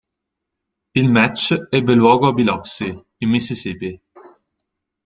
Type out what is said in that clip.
Il match ebbe luogo a Biloxi, in Mississippi.